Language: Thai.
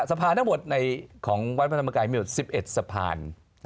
สะพานทั้งหมดของวัดพระธรรมกายมี๑๑สะพาน